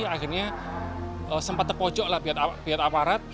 akhirnya sempat terpojoklah pihak aparat